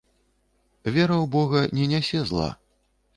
Вера ў бога не нясе зла.